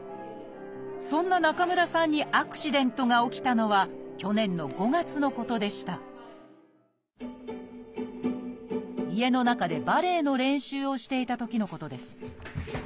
そんな中村さんにアクシデントが起きたのは去年の５月のことでした家の中でバレエの練習をしていたときのことです。